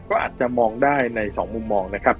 ก็อาจจะมองได้ในสองมุมมอง